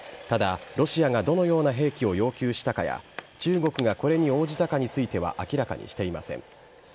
ただ、ロシアがどのような兵器を要求したかや、中国がこれに応じたかについては明らかにしていません。